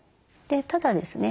ただですね